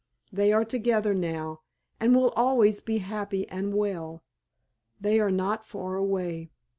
They are together now, and will always be happy and well. They are not far away.